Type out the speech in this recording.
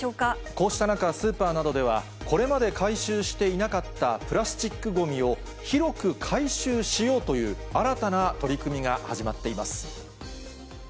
こうした中、スーパーなどでは、これまで回収していなかったプラスチックごみを、広く回収しようという新たな取り組みが始まっています。